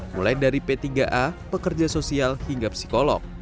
mulai dari p tiga a pekerja sosial hingga psikolog